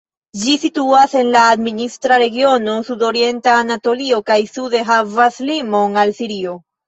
Ĝi situas en la administra regiono Sudorienta Anatolio, kaj sude havas limon al Sirio.